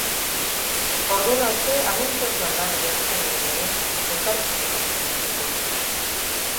Ordura arte administrazioan lan egin zutenekin ere elkarrizketak izan zituen.